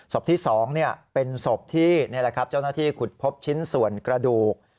ที่๒เป็นศพที่นี่แหละครับเจ้าหน้าที่ขุดพบชิ้นส่วนกระดูก